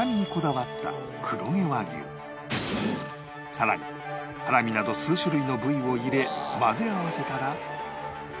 さらにハラミなど数種類の部位を入れ混ぜ合わせたら